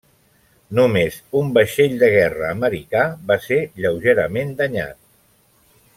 Només un vaixell de guerra americà va ser lleugerament danyat.